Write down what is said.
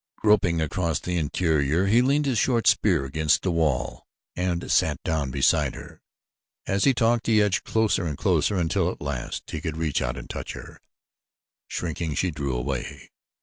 Groping across the interior he leaned his short spear against the wall and sat down beside her, and as he talked he edged closer and closer until at last he could reach out and touch her. Shrinking, she drew away.